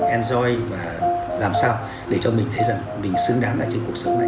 enjoy và làm sao để cho mình thấy rằng mình xứng đáng ở trên cuộc sống này